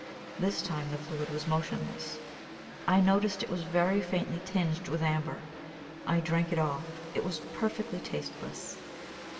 This time the fluid was motionless. I noticed it was very faintly tinged with amber. I drank it off it was perfectly tasteless.